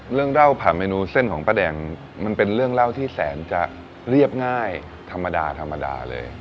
เล่าผ่านเมนูเส้นของป้าแดงมันเป็นเรื่องเล่าที่แสนจะเรียบง่ายธรรมดาธรรมดาเลย